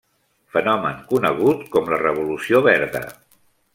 Fenomen conegut com la Revolució verda.